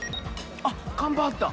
あっ看板あった。